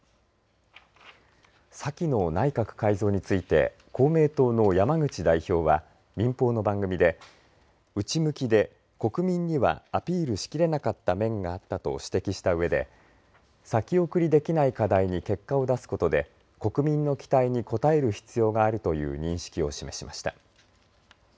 先の内閣改造について公明党の山口代表は民放の番組で内向きで国民にはアピールしきれなかった面があったと指摘したうえで先送りできない課題に結果を出すことで国民の期待に応える必要があるという認識を示しました。